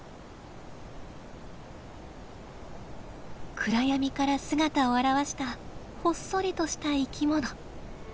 暗闇から姿を現したほっそりとした生きもの。